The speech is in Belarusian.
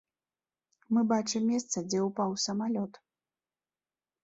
Мы бачым месца, дзе ўпаў самалёт.